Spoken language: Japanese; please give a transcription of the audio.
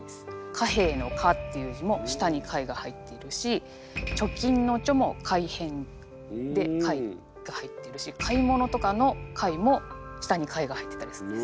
「貨幣」の「貨」っていう字も下に貝が入っているし「貯金」の「貯」も貝偏で貝が入ってるし「買い物」とかの「買い」も下に貝が入ってたりするんです。